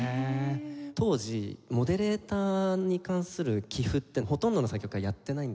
当時モデレーターに関する記譜ってほとんどの作曲家やってないんですね。